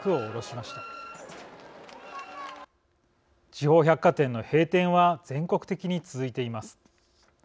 地方百貨店の閉店は全国的に続いています。